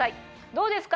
どうですか？